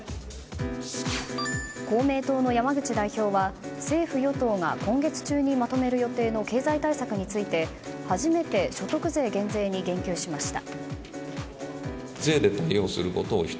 公明党の山口代表は政府・与党が今月中にまとめる予定の経済対策について、初めて所得税減税に言及しました。